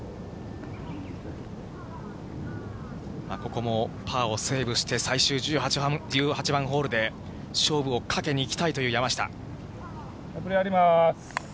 ここもパーをセーブして、最終１８番ホールで勝負をかけにいきたいという山下。